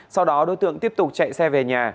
sau đó đối tượng tiếp tục chạy xe về nhà